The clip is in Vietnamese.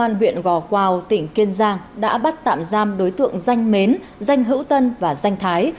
cảnh sát điều tra công an huyện gò quào tỉnh kiên giang đã bắt tạm giam đối tượng danh mến danh hữu tân và danh thái